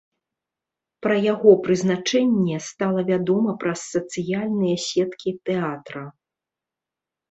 Пра яго прызначэнне стала вядома праз сацыяльныя сеткі тэатра.